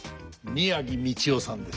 宮城道雄さんです。